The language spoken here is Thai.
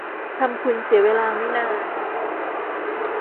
ทำคุณเสียเวลาไม่นาน